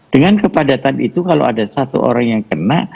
dengan kepadatan itu kalau ada satu orang yang kena